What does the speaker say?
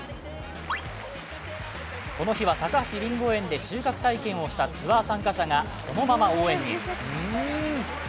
この日は高橋りんご園で収穫体験をしたツアー参加者がそのまま応援に。